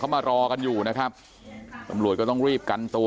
มารอกันอยู่นะครับตำรวจก็ต้องรีบกันตัว